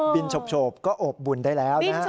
บินชบก็อบบุญได้แล้วนะ